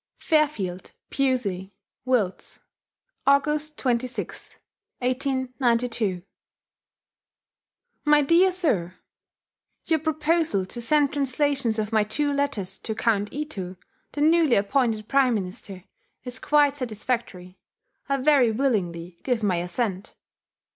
FAIRFIELD, PEWSEY, WILTS, Aug. 26, 1892. MY DEAR SIR, Your proposal to send translations of my two letters* to Count Ito, the newly appointed Prime Minister, is quite satisfactory. I very willingly give my assent.